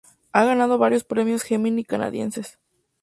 Ha ganado varios premios Gemini canadienses.